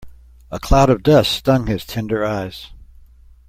A cloud of dust stung his tender eyes.